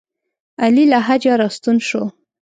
علي له حجه راستون شو.